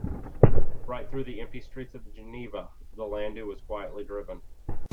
Right through the empty streets of Geneva the landau was quietly driven.